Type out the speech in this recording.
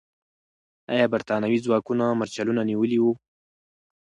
آیا برتانوي ځواکونو مرچلونه نیولي وو؟